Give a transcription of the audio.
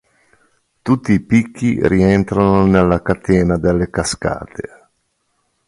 Tutti i picchi rientrano nella catena delle Cascate.